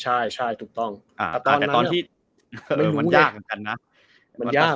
ใช่ถูกต้องแต่ตอนที่ไม่รู้มันยากเหมือนกันนะมันยาก